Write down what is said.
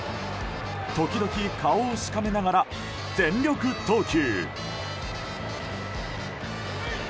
時々顔をしかめながら全力投球。